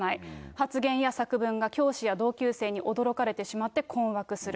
発言や作文が教師や同級生に驚かれてしまって、困惑する。